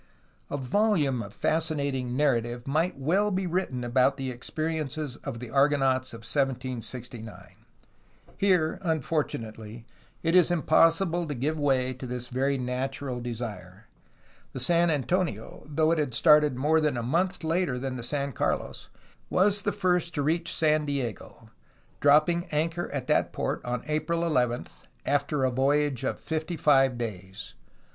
A volume of fascinating narrative might well be written of the experiences of the Argonauts of 1769. Here, un fortunately, it is impossible to give way to this very natural desire. The San Antonio, though it had started more than a month later than the San Carlos, was the first to reach San Diego, dropping anchor at that port on April 11, after a voyage of fifty five days.